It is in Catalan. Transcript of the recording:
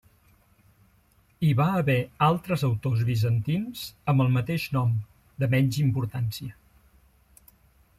Hi va haver altres autors bizantins amb el mateix nom, de menys importància.